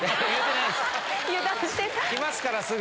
きますから、すぐ。